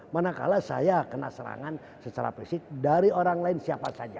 manakala saya kena serangan secara fisik dari orang lain siapa saja